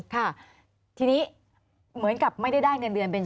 ค่ะทีนี้เหมือนกับไม่ได้ได้เงินเดือนเป็น